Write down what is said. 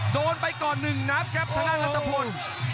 โดนไปก่อน๑นัดครับทางด้านรัฐพล